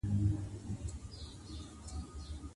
د خپلي یوې ویري سره مخ سئ.